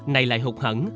này lại hụt hẳn